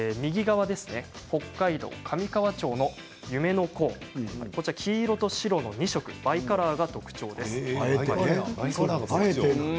北海道上川町ゆめのコーン黄色と白の２色バイカラーが特徴です。